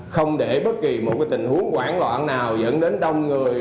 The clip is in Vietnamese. không để bất kỳ một tình huống quảng loạn nào dẫn đến đông người